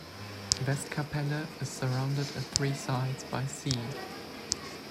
Westkapelle is surrounded at three sides by sea.